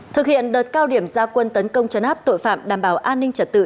thực hiện đợt cao điểm gia quân tấn công chấn áp tội phạm đảm bảo an ninh trật tự